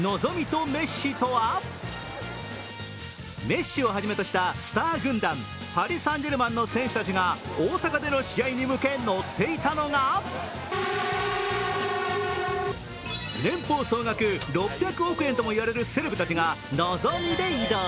メッシをはじめとしたスター軍団パリ・サン＝ジェルマンの選手たちが大阪での試合に向け乗っていたのが年俸総額６００億円とも言われるセレブたちが、のぞみで移動。